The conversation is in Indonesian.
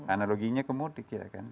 analogiknya ke mudik